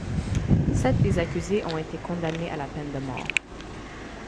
Sept des accusés ont été condamnés à la peine de mort.